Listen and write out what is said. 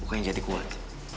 bukannya jadi kuat